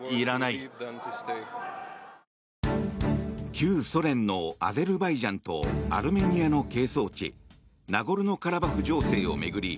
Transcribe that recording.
旧ソ連のアゼルバイジャンとアルメニアの係争地ナゴルノカラバフ情勢を巡り